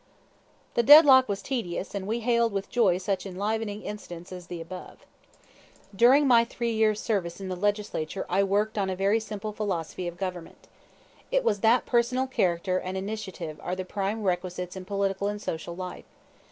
The deadlock was tedious; and we hailed with joy such enlivening incidents as the above. During my three years' service in the Legislature I worked on a very simple philosophy of government. It was that personal character and initiative are the prime requisites in political and social life.